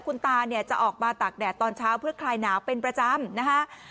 คุณตาเนี่ยจะออกมาตากแดดตอนเช้าเพื่อคลายหนาวเป็นประจำนะฮะ